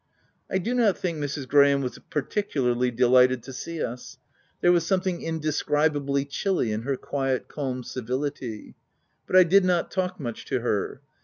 I do not think Mrs. Graham was particu larly delighted to see us : there was something indescribably chilly in her quiet, calm civility ; but I did not talk much to her.